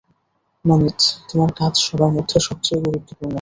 নমিত, তোমার কাজ সবার মধ্যে সবচেয়ে গুরুত্বপূর্ণ।